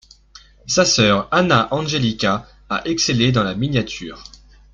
Sa sœur Anna Angelica a excellé dans la miniature.